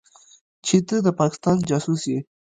چې ته د پاکستان جاسوس يې.